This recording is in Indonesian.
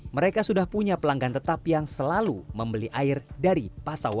mereka sudah punya pelanggan tetap yang selalu membeli air dari pasawahan